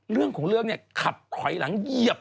เรื่องของเรื่องเนี่ยขับถอยหลังเหยียบ